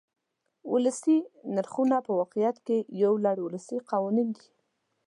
ولسي نرخونه په واقعیت کې یو لړ ولسي قوانین دي.